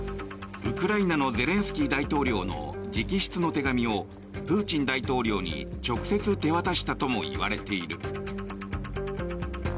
ウクライナのゼレンスキー大統領の直筆の手紙をプーチン大統領に直接手渡したともいわれている。